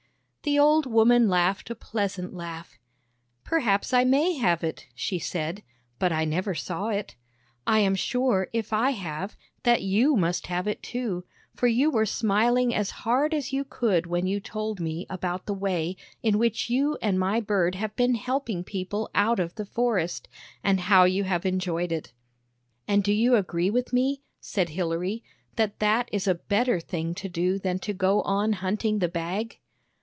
" The old woman laughed a pleasant laugh. " Per haps I may have it," she said, " but I never saw it. I am sure, if I have, that you must have it, too, for you were smiling as hard as. you could when you told me about the way in which you and my bird have been helping people out of the forest, and how you have enjoyed it." " And do you agree with me," said Hilary, " that that is a better thing to do than to go on hunting the Bag?"